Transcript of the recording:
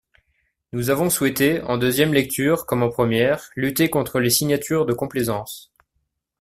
Nous avons souhaité, en deuxième lecture comme en première, lutter contre les signatures de complaisance.